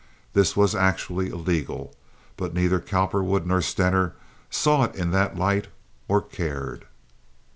This was actually illegal; but neither Cowperwood nor Stener saw it in that light or cared.